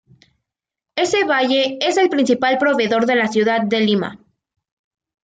Ese valle es el principal proveedor de la ciudad de Lima.